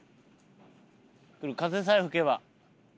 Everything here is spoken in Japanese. くる風さえ吹けば。